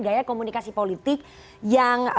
gaya komunikasi politik yang